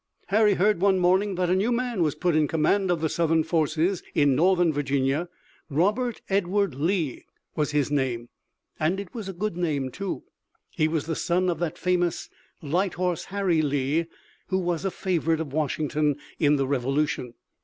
Harry heard one morning that a new man was put in command of the Southern forces in Northern Virginia. Robert Edward Lee was his name, and it was a good name, too. He was the son of that famous Light Horse Harry Lee who was a favorite of Washington in the Revolution.